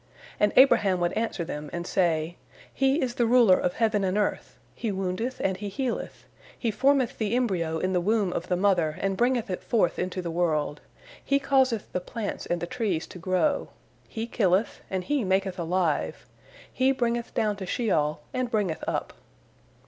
and Abraham would answer them, and say: "He is the Ruler of heaven and earth. He woundeth and He healeth, He formeth the embryo in the womb of the mother and bringeth it forth into the world, He causeth the plants and the trees to grow, He killeth and He maketh alive, He bringeth down to Sheol and bringeth up."